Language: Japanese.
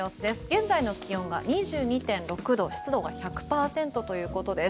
現在の気温が２２．６度湿度が１００％ということです。